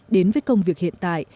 đến với công việc hiện tại